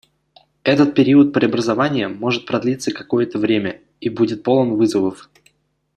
Этот период преобразования может продлиться какое-то время и будет полон вызовов.